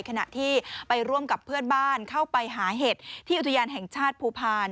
ขนาดที่ร่วมกับเพื่อนบ้านเข้าไปหาเหตุที่อุทยานแห่งชาติผู้พันธ์